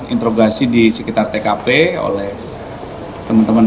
interogasi di sekitar tkp oleh teman teman